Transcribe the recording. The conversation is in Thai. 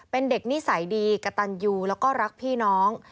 เป็นเด็กนิสัยดีกระตันยูแล้วก็รักพี่น้อง